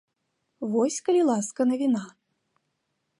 Вось, калі ласка, навіна.